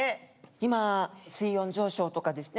今水温上昇とかですね